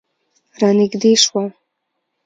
رانږدې شوه.